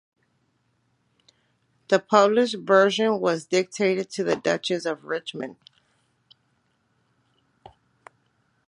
The published version was dedicated to the Duchess of Richmond.